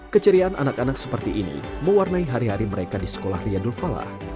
keceriaan anak anak seperti ini mewarnai hari hari mereka di sekolah riyadul falah